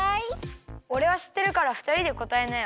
オレはしってるからふたりでこたえなよ。